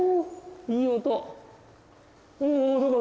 いい音。